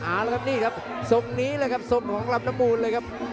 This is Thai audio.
อ๋าแล้วนี่ครับทรงนี้แหละครับทรงของลำน้ำมูลเลยครับ